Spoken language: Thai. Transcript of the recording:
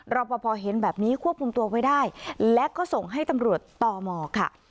รอปภเห็นแบบนี้ควบคุมตัวไว้ได้และก็ส่งให้ตำรวจตมค่ะ